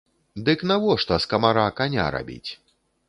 Дык навошта з камара каня рабіць?